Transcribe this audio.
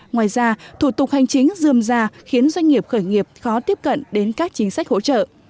ngoài ra thủ tục hành chính dươm ra khiến doanh nghiệp khởi nghiệp khó tiếp cận đến các chính sách hỗ trợ